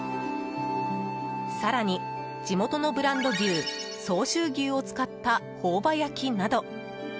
更に地元のブランド牛相州牛を使った朴葉焼きなど。